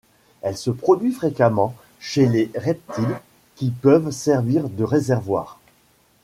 Elle se produit fréquemment chez les reptiles, qui peuvent servir de réservoirs.